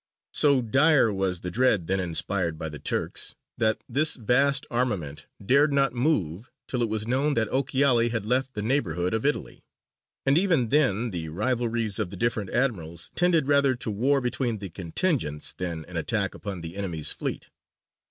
So dire was the dread then inspired by the Turks that this vast armament dared not move till it was known that Ochiali had left the neighbourhood of Italy, and even then the rivalries of the different admirals tended rather to war between the contingents than an attack upon the enemy's fleet.